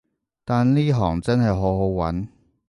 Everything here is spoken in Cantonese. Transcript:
但呢行真係好好搵